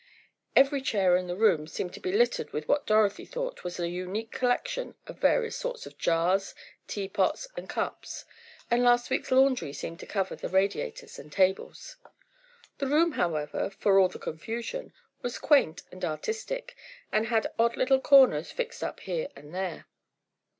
Every chair in the room seemed to be littered with what Dorothy thought was a unique collection of various sorts of jars, tea pots, and cups; and last week's laundry seemed to cover the radiators and tables. The room, however, for all the confusion, was quaint and artistic, and had odd little corners fixed up here and there.